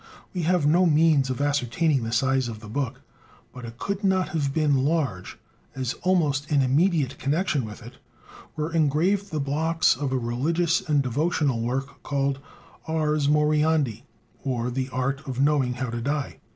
We have no means of ascertaining the size of this book; but it could not have been large, as almost in immediate connection with it were engraved the blocks of a religious and devotional work called "Ars Moriendi," or the "Art of knowing how to Die."